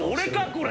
これ。